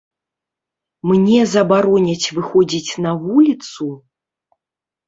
Мне забароняць выходзіць на вуліцу?